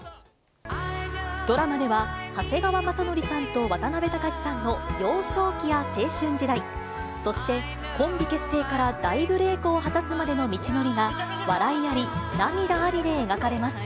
ドラマでは、長谷川雅紀さんと渡辺隆さんの幼少期や青春時代、そしてコンビ結成から大ブレークを果たすまでの道のりが、笑いあり、涙ありで描かれます。